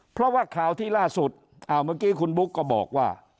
เพราะว่าข่าวที่ล่าสุดเมื่อกี้คุณบุ๊กก็บอกว่า